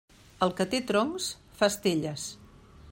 El que té troncs fa estelles.